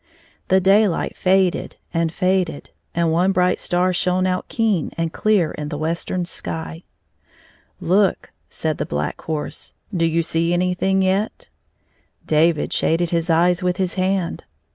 The daylight faded and faded, and one bright star shone out keen and clear in the western sky. " Look," said the Black Horse, do you see anything yetl" David shaded his eyes with his hand.